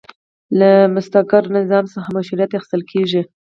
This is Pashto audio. له مستقر نظم څخه مشروعیت اخیستل کیږي.